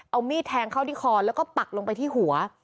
เอามีดแทงเข้าที่คอแล้วก็ปักลงไปที่หัว